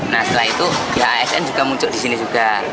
nah setelah itu pihak asn juga muncul di sini juga